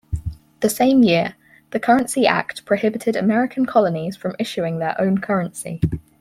The same year, the Currency Act prohibited American colonies from issuing their own currency.